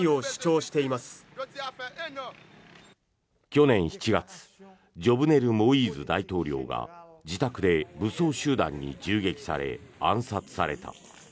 去年７月ジョブネル・モイーズ大統領が自宅で武装集団に銃撃され暗殺された。